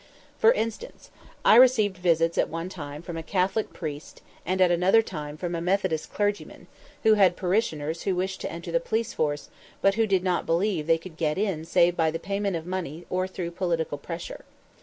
For instance, I received visits at one time from a Catholic priest, and at another time from a Methodist clergyman, who had parishioners who wished to enter the police force, but who did not believe they could get in save by the payment of money or through political pressure.